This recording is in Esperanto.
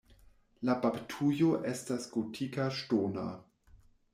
La baptujo estas gotika ŝtona.